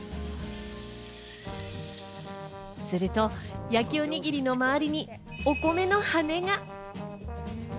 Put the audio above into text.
すると、焼きおにぎりの周りにお米の羽根が。